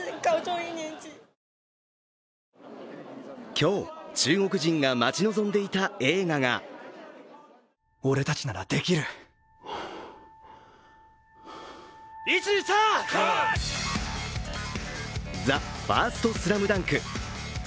今日、中国人が待ち望んでいた映画が「ＴＨＥＦＩＲＳＴＳＬＡＭＤＵＮＫ」。